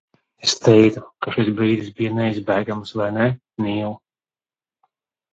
Es teiktu, ka šis brīdis bija neizbēgams, vai ne, Nīl?